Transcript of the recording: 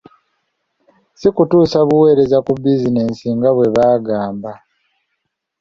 Si kutuusa buweereza ku bannansi n’aga bwe ba gamba.